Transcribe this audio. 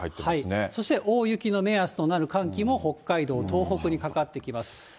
そして大雪の目安となる寒気も北海道、東北にかかってきます。